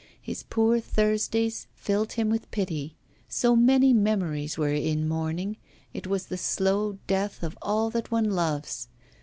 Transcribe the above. His poor Thursdays filled him with pity, so many memories were in mourning, it was the slow death of all that one loves!